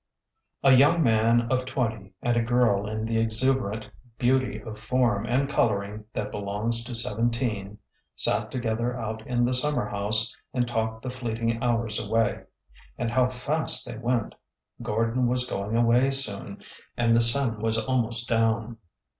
A young man of twenty and a girl in the exuberant beauty of form and coloring that belongs to seventeen sat together out in the summer house and talked the fleet ing hours away. And how fast they went ! Gordon was going away soon— and the sun was almost down.